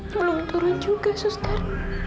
belum turun juga suster